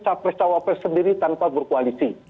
capres cawapres sendiri tanpa berkoalisi